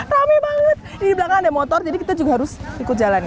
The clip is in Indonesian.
rame banget di belakang ada motor jadi kita juga harus ikut jalan ya